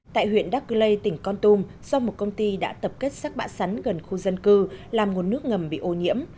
tại huyện đắk cư lây tỉnh con tùm do một công ty đã tập kết sát bã sắn gần khu dân cư làm nguồn nước ngầm bị ô nhiễm